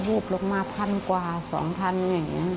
วูบลงมาพันกว่า๒๐๐อย่างนี้